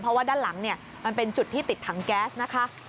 เพราะว่าด้านหลังมันเป็นจุดที่ติดถังแก๊สนะคะ